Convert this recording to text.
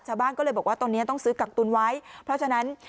ชาวบ้านก็เลยบอกว่าตอนนี้ต้องซื้อกักตุนไว้เพราะฉะนั้น